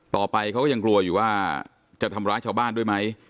ต่อไปเขาก็ยังกลัวอยู่ว่าจะทำร้ายชาวบ้านด้วยไหม